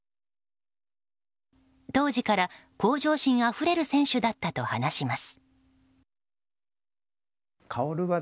当時から向上心あふれる選手だったと話します。